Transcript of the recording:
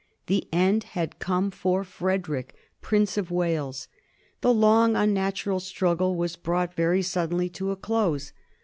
The end had come for Frederick, Prince of Wales, The long, unnatural struggle was brought very suddenly to a close.